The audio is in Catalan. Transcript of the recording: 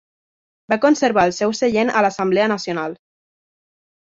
Va conservar el seu seient a l'Assemblea Nacional.